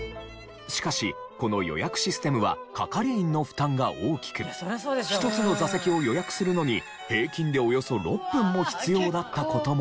しかしこの予約システムは係員の負担が大きく１つの座席を予約するのに平均でおよそ６分も必要だった事もあり。